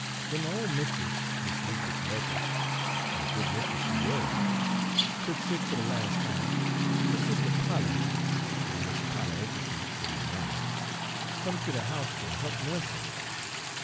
"Wen my ole mist'ess, Mis' 'Liz'beth Merkell, an' a good mist'ess she wuz, tuck sick fer de las' time, her sister Polly ole Mis' Polly Ochiltree w'at is now come ter de house ter he'p nuss her.